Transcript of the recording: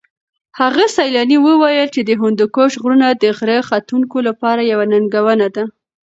هغه سېلاني وویل چې د هندوکش غرونه د غره ختونکو لپاره یوه ننګونه ده.